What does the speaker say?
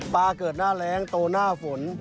เกิดหน้าแรงโตหน้าฝน